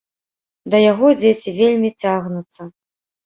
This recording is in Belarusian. Да яго дзеці вельмі цягнуцца.